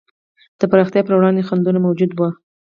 د پراختیا پر وړاندې خنډونه موجود وو.